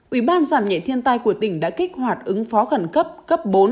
ủy ban giảm nhẹ thiên tai của tỉnh đã kích hoạt ứng phó khẩn cấp cấp bốn